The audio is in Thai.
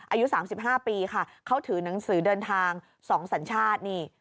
อายุ๓๕ปีค่ะเขาถือหนังสือเดินทาง๒สัญชาตินี่